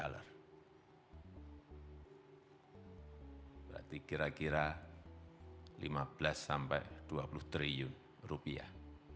berarti kira kira lima belas sampai dua puluh triliun rupiah